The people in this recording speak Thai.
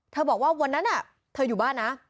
บอกว่าวันนั้นเธออยู่บ้านนะ